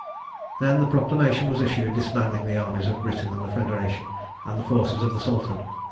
Then the proclamation was issued disbanding the armies of Britain and the Federation and the forces of the Sultan.